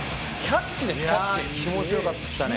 気持ちよかったね